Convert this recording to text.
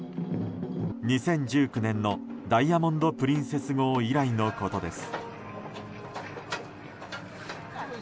２０１９年の「ダイヤモンド・プリンセス号」以来のことです。